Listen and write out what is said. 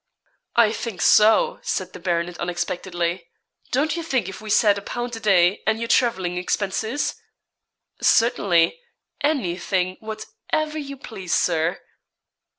'I think so,' said the baronet unexpectedly. 'Don't you think if we said a pound a day, and your travelling expenses?' 'Certainly _any_thing what_ever_ you please, Sir.'